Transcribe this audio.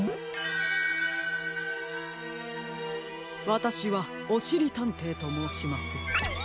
わたしはおしりたんていともうします。